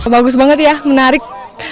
bagus banget ya menarik